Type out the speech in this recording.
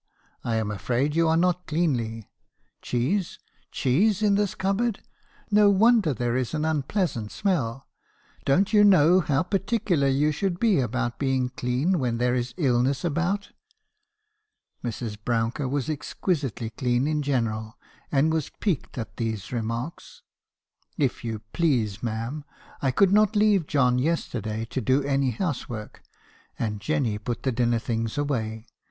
'I am afraid you are not cleanly. Cheese !— cheese in this cupboard ! No won der there is an unpleasant smell. Don't you know how par ticular you should be about being clean when there is illness about?' " Mrs. Brouncker was exquisitely clean in general, and was piqued at these remarks. "' If you please, ma'am , I could not leave John yesterday to do any house work , and Jenny put the dinner things away.